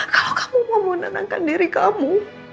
kalau kamu mau menenangkan diri kamu